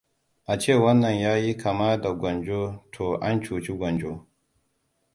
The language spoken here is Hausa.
A ce wannan yayi kama da gwanjo to an cuci gwanjo.